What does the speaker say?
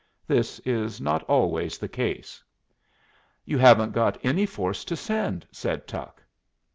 This is not always the case. "You haven't got any force to send," said Tuck.